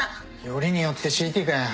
よりによって ＣＴ かよ